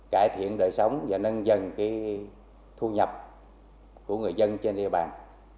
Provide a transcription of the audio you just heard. cải thiện đời sống và nâng dần thu nhập của người dân trên địa bàn